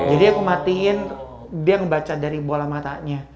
jadi aku matiin dia ngebaca dari bola matanya